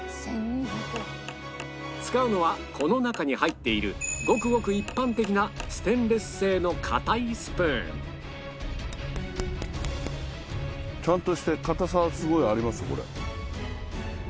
使うのはこの中に入っているごくごく一般的なステンレス製の硬いスプーンちゃんとして硬さはすごいありますよこれ。